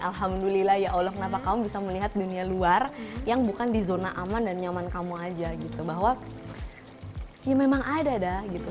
alhamdulillah ya allah kenapa kamu bisa melihat dunia luar yang bukan di zona aman dan nyaman kamu aja gitu bahwa ya memang ada dah gitu